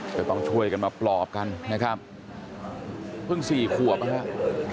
ก็ต้องช่วยกันมาปลอบกันนะครับเพิ่งสี่ขวบนะครับ